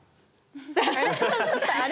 「あれ？」